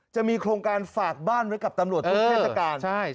จะมีโครงการฝากบ้านไว้กับตำรวจทุกเทศกาล